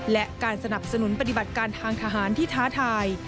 และการสนับสนุนปฏิบัติการทางทหารที่ท้าทาย